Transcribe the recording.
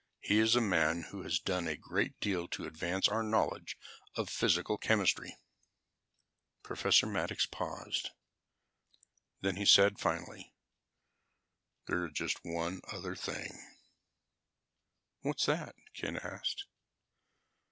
He is a man who has done a great deal to advance our knowledge of physical chemistry." Professor Maddox paused. Then he said finally, "There is just one other thing." "What's that?" Ken asked.